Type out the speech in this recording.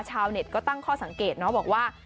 ชาวเน็ตก็ตั้งข้อสังเกตเนาะบอกว่า